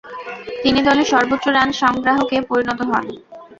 তিনি দলের সর্বোচ্চ রান সংগ্রাহকে পরিণত হন।